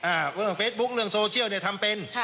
อ่าเวลาเฟซบุ๊คเรื่องโซเชียลเนี่ยทำเป็น